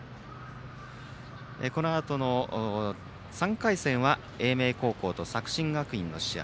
このあとの３回戦は英明高校と作新学院の試合。